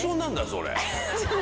それ。